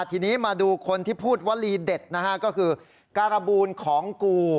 ทีนี้มาดูคนที่พูดวลีเด็ดนะฮะก็คือการบูลของกู